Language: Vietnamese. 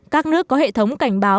các nước có hệ thống cảnh báo